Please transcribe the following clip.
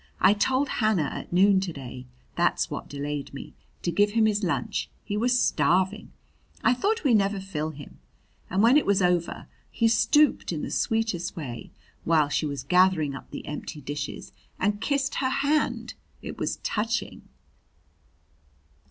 I told Hannah at noon to day that's what delayed me to give him his lunch. He was starving; I thought we'd never fill him. And when it was over, he stooped in the sweetest way, while she was gathering up the empty dishes, and kissed her hand. It was touching!"